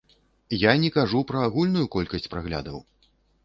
Я не кажу пра агульную колькасць праглядаў!